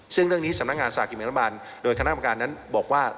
ซึ่งเรื่องนี้สำนักงานสหกินแบ่งรัฐบาลโดยคณะประการนั้นบอกว่า